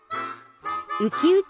ウキウキ！